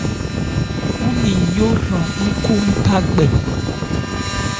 Ɔ́n ne yó hran nkhú nphá kpɛ.